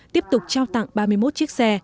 tiếp tục trao tặng ba mươi một chiếc xe